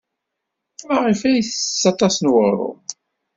Maɣef ay tettett aṭas n uɣrum?